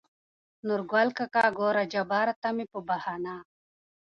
نورګل کاکا: ګوره جباره ته مې په بهانه